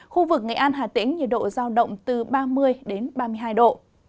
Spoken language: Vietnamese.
khu vực nghệ an hà tĩnh nhiệt độ giao động từ ba mươi đến ba mươi hai độ